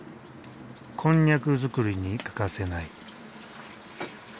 こんにゃく作りに欠かせない。